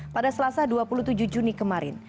pada selasa dua puluh tujuh juni kemarin